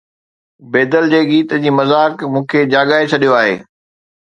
بيدل جي گيت جي مذاق مون کي جاڳائي ڇڏيو آهي